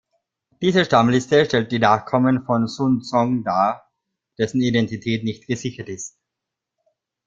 Diese Stammliste stellt die Nachkommen von Sun Zhong dar, dessen Identität nicht gesichert ist.